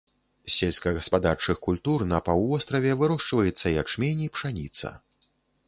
З сельскагаспадарчых культур на паўвостраве вырошчваецца ячмень і пшаніца.